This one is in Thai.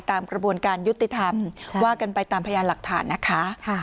ตามกระบวนการยุติธรรมว่ากันไปตามพยานหลักฐานนะคะ